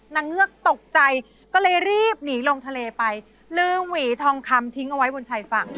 เงือกตกใจก็เลยรีบหนีลงทะเลไปลืมหวีทองคำทิ้งเอาไว้บนชายฝั่ง